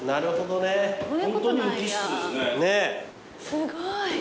すごい。